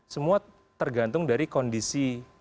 semua tergantung dari kondisi